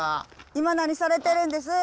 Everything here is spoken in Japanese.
今何されてるんです？